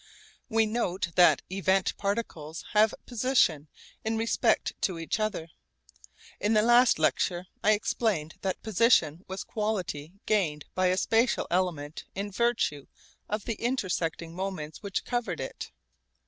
We note that event particles have 'position' in respect to each other. In the last lecture I explained that 'position' was quality gained by a spatial element in virtue of the intersecting moments which covered it.